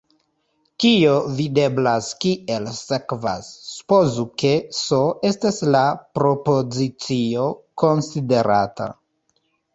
Tio videblas kiel sekvas: supozu ke "S" estas la propozicio konsiderata.